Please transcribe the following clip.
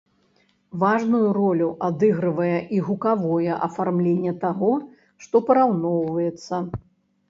Важную ролю адыгрывае і гукавое афармленне таго, што параўноўваецца.